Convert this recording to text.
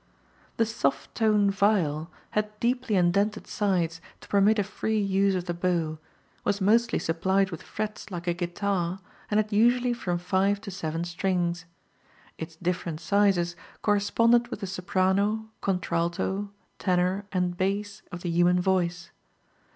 The soft toned viol had deeply indented sides to permit a free use of the bow, was mostly supplied with frets like a guitar, and had usually from five to seven strings. Its different sizes corresponded with the soprano, contralto, tenor and bass of the human voice.